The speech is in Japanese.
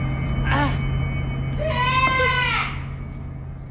あっ。